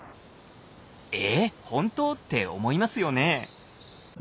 「えほんと？」って思いますよね？